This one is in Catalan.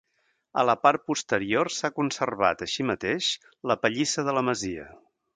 A la part posterior s'ha conservat, així mateix, la pallissa de la masia.